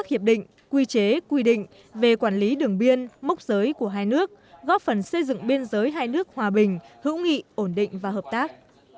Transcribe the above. hiệp định quy chế quy định về quản lý đường biên mốc giới của hai nước góp phần xây dựng biên giới hai nước hòa bình hữu nghị ổn định và hợp tác